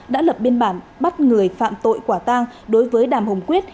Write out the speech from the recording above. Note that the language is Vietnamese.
đã lập biên bản bắt người phạm tội quả tang đối với đàm hồng quyết